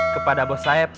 kepada bos saeb